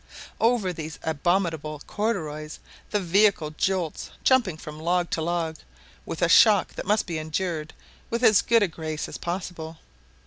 Over these abominable corduroys the vehicle jolts, jumping from log to log, with a shock that must be endured with as good a grace as possible.